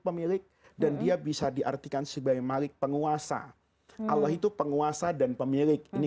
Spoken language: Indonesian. pemilik dan dia bisa diartikan sebagai malik penguasa allah itu penguasa dan pemilik ini